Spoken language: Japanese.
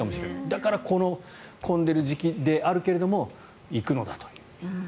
だから、混んでいる時期であるけれども行くのだという。